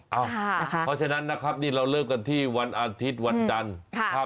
เพราะฉะนั้นนะครับนี่เราเริ่มกันที่วันอาทิตย์วันจันทร์